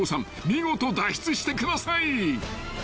見事脱出してください］